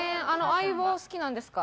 『相棒』好きなんですか？